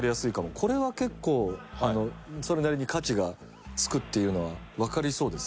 これは結構それなりに価値がつくっていうのはわかりそうです。